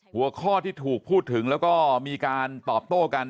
หัวข้อที่ถูกพูดถึงแล้วก็มีการตอบโต้กัน